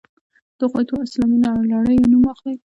د هغو دوو اسلامي لړیو نوم واخلئ.